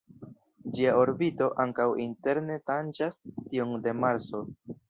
Ĝia orbito ankaŭ interne tanĝas tiun de Marso.